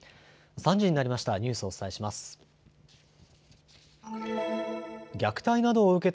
３時になりました。